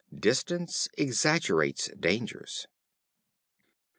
Distance exaggerates dangers.